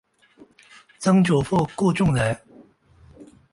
曾祖父顾仲仁。